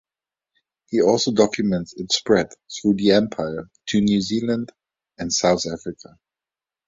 He also documents its spread through the Empire, to New Zealand and South Africa.